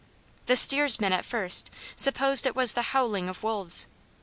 The steersmen at first supposed it was the howling of wolves.